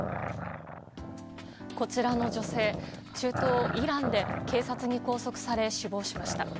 こちらの女性、中東イランで警察に拘束され、死亡しました。